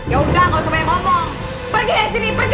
ya udah nggak usah banyak ngomong pergi dari sini pergi